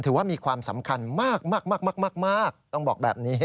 ถือว่ามีความสำคัญมากต้องบอกแบบนี้